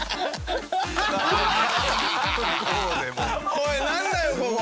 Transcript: おいなんだよここ！